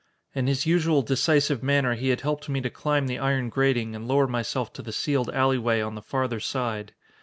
In his usual decisive manner he had helped me to climb the iron grating and lower myself to the sealed alley way on the farther side.